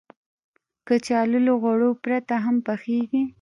کچالو له غوړو پرته هم پخېږي